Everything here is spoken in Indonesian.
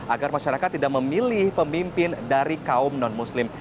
agar masyarakat tidak memilih pemimpin dari kaum non muslim